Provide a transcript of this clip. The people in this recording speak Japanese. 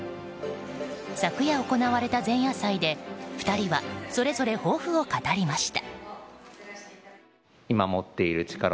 昨夜行われた前夜祭で２人はそれぞれ抱負を語りました。